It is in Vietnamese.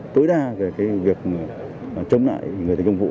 tối đa về cái việc chống lại người thành công vụ